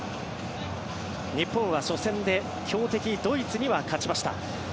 日本は初戦で強敵ドイツには勝ちました。